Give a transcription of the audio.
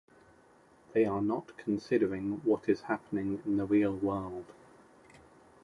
They are not considering what is happening in the real world.